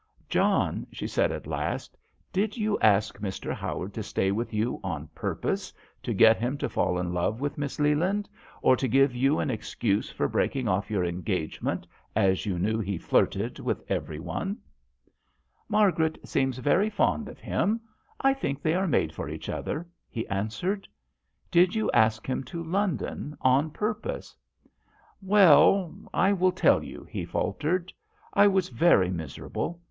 "John," she said at last, "did you ask Mr. Howard to stay with you on purpose to get him to fall in love with Miss Leland, or to give you an excuse for breaking off your engagement, as you knew he flirted with every one ?" 158 JOHN SHERMAN. " Margaret seems very fond of him. I think they are made for each other/' he answered. " Did you ask him to London on purpose ?" "Well, I will tell you," he faltered. " I was very miserable.